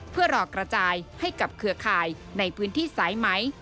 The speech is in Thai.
เพื่อรอกระจายให้กับเครือข่ายในพื้นที่สายไหม